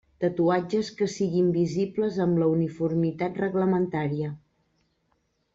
Tatuatges que siguin visibles amb la uniformitat reglamentària.